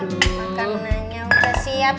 makanannya udah siap